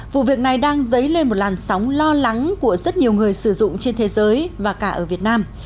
vụ việc này đang dấy lên một làn sóng lo lắng của rất nhiều người sử dụng trên thế giới và cả ở việt nam